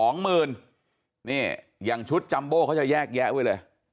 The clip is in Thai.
นี่อย่างชุดจัมโบ้เขาจะแยกแยะไว้เลย